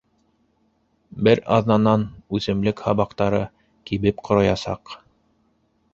Бер аҙнанан үҫемлек һабаҡтары кибеп ҡороясаҡ.